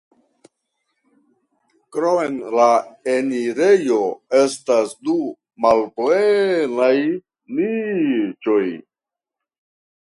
Krom la enirejo estas du malplenaj niĉoj.